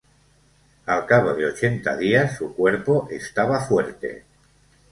Al cabo de ochenta días su cuerpo estaba fuerte.